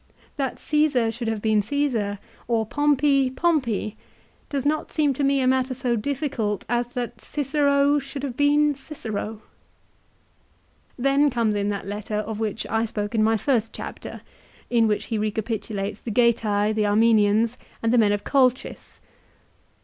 That Caesar should have been Caesar, or Pompey Pompey, does not seem to me a matter so difficult as that Cicero should have been Cicero. Then comes that letter of which I spoke in my first chapter, in which he recapitulates the Getse, the Armenians, and the men of Colchis.